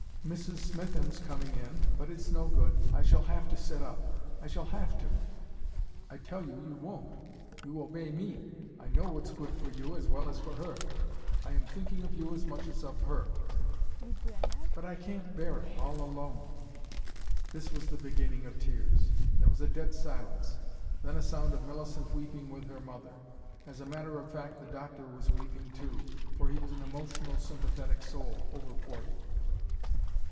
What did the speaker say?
"Miss Smitham's coming in. But it's no good I shall have to sit up. I shall HAVE to." "I tell you you won't. You obey ME. I know what's good for you as well as for her. I am thinking of you as much as of her." "But I can't bear it all alone." This was the beginning of tears. There was a dead silence then a sound of Millicent weeping with her mother. As a matter of fact, the doctor was weeping too, for he was an emotional sympathetic soul, over forty.